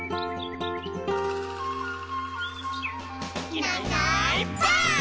「いないいないばあっ！」